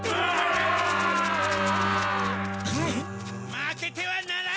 ・負けてはならん！